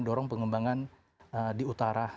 dorong pengembangan di utara